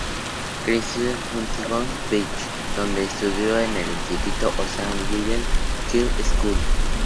Creció en Huntington Beach, donde estudió en el instituto Ocean View High School.